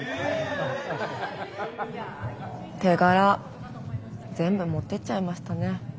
手柄全部持ってっちゃいましたね。